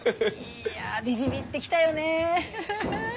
いやビビビッて来たよねえ。